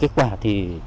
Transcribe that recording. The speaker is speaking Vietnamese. kết quả thì